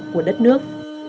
của đất nước